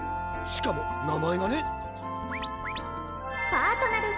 しかも名前がね